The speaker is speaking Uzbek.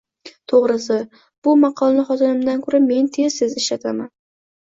To`g`risi, bu maqolni xotinimdan ko`ra, men tez tez ishlataman